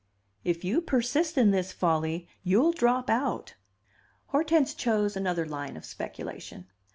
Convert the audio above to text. "If you persist in this folly, you'll drop out." Hortense chose another line of speculation.